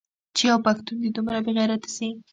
چې يو پښتون دې دومره بې غيرته سي.